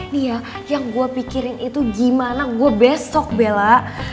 nih ya yang gue pikirin itu gimana gue besok bella